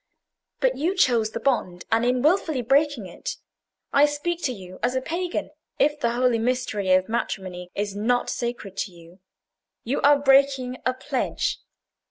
But you chose the bond; and in wilfully breaking it—I speak to you as a pagan, if the holy mystery of matrimony is not sacred to you—you are breaking a pledge.